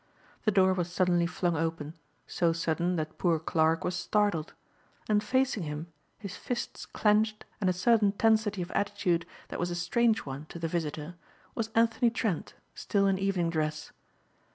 The door was suddenly flung open, so sudden that poor Clarke was startled. And facing him, his fists clenched and a certain tensity of attitude that was a strange one to the visitor, was Anthony Trent still in evening dress.